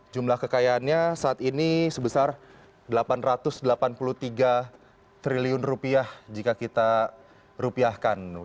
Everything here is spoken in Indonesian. jumlah kekayaannya saat ini sebesar rp delapan ratus delapan puluh tiga triliun rupiah jika kita rupiahkan